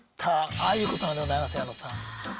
ああいうことなんでございます矢野さん。